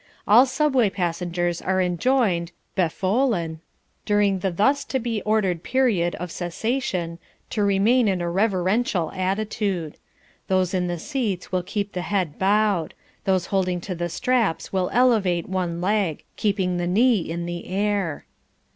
All subway passengers are enjoined (befohlen), during the thus to be ordered period of cessation, to remain in a reverential attitude. Those in the seats will keep the head bowed. Those holding to the straps will elevate one leg, keeping the knee in the air.